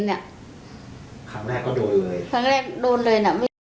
ครั้งแรกเขาโดนเลย